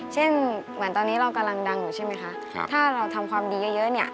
เหมือนตอนนี้เรากำลังดังอยู่ใช่ไหมคะถ้าเราทำความดีเยอะเนี่ย